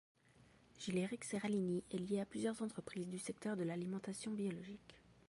Gille Eric Séralini est lié à plusieurs entreprises du secteur de l'alimentation biologique.